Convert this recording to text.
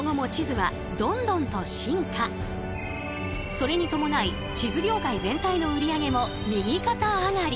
それに伴い地図業界全体の売り上げも右肩上がり。